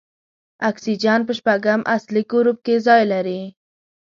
اکسیجن په شپږم اصلي ګروپ کې ځای لري.